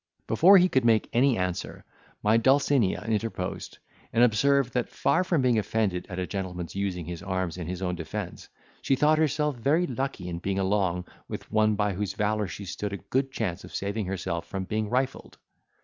Before he could make any answer, my Dulcinea interposed, and observed that, far from being offended at a gentleman's using his arms in his own defence, she thought herself very lucky in being along with one by whose valour she stood a good chance of saving herself from being rifled.